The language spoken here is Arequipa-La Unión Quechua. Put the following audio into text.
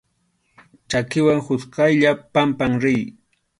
Chakiwan utqaylla pampan riy.